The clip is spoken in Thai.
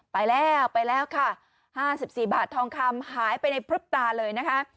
ไปแล้วไปแล้วค่ะ๕๔บาททองคำหายไปในพลึบตาเลยนะคะ